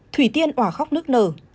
thủy tiên ỏa khóc nước nở